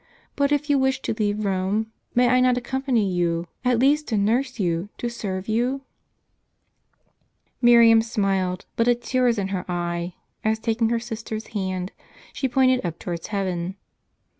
But if you wish to leave Rome, may I not accompany you, at least to nurse you, to serve you ?" Miriam smiled, but a tear was in her eye, as taking her sister's hand, she pointed up towards heaven.